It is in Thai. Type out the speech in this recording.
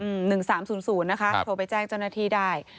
หนึ่งสามศูนย์ศูนย์นะคะโทรไปแจ้งเจ้าหน้าที่ได้